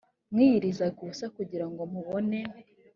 mwiyirizaga ubusa kugira ngo mubone